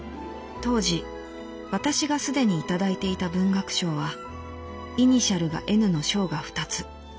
「当時私がすでにいただいていた文学賞はイニシャルがＮの賞が二つ。